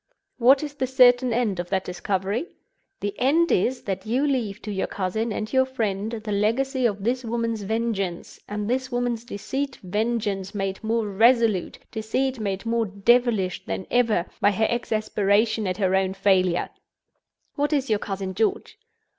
What is the certain end of that discovery? The end is, that you leave to your cousin and your friend the legacy of this woman's vengeance and this woman's deceit vengeance made more resolute, deceit made more devilish than ever, by her exasperation at her own failure. What is your cousin George?